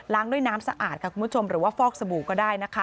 ด้วยน้ำสะอาดค่ะคุณผู้ชมหรือว่าฟอกสบู่ก็ได้นะคะ